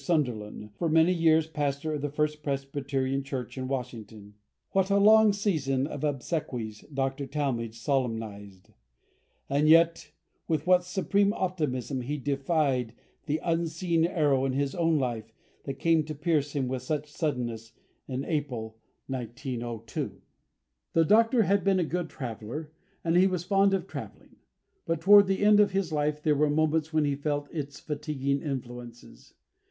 Sunderland, for many years pastor of the First Presbyterian Church in Washington. What a long season of obsequies Dr. Talmage solemnised! And yet, with what supreme optimism he defied the unseen arrow in his own life that came to pierce him with such suddenness in April, 1902. The Doctor had been a good traveller, and he was fond of travelling; but, toward the end of his life, there were moments when he felt its fatiguing influences.